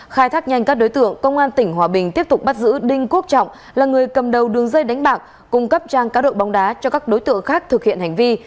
khai thác nhanh các đối tượng công an tỉnh hòa bình tiếp tục bắt giữ đinh quốc trọng là người cầm đầu đường dây đánh bạc cung cấp trang cá đội bóng đá cho các đối tượng khác thực hiện hành vi